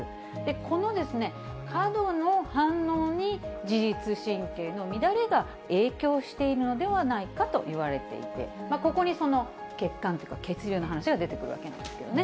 この過度の反応に、自律神経の乱れが影響しているのではないかといわれていて、ここにその血管とか血流の話が出てくるわけなんですよね。